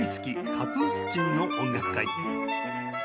カプースチンの音楽会」